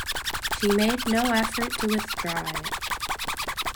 She made no effort to withdraw it.